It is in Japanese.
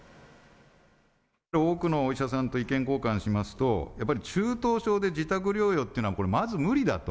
多くのお医者さんと意見交換しますと、やっぱり、中等症で自宅療養っていうのはこれはまず無理だと。